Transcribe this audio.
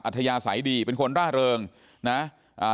อัธยาใส่ดีเป็นคนร่าเริงนะฮะ